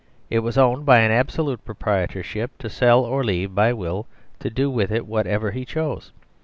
It was owned byadomznusortordmaibsolute proprietorship, to sell, or leave by will, to do with it whatsoever he chose.